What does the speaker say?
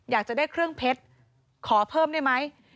อยากจะได้เครื่องเพชรขอเพิ่มได้ไหม